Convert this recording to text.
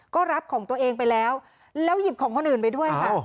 ก็รับของตัวเองไปแล้วแล้วหยิบของคนอื่นไปด้วยค่ะ